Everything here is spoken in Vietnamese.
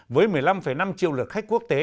với một mươi năm năm triệu lượt khách quốc tế